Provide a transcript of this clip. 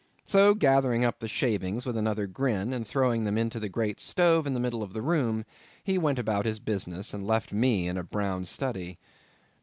So gathering up the shavings with another grin, and throwing them into the great stove in the middle of the room, he went about his business, and left me in a brown study.